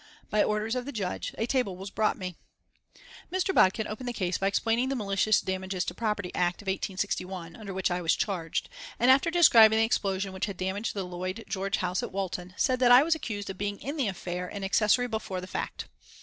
By orders of the Judge a table was brought me. Mr. Bodkin opened the case by explaining the "Malicious Damages to Property Act" of 1861, under which I was charged, and after describing the explosion which had damaged the Lloyd George house at Walton, said that I was accused of being in the affair an accessory before the fact.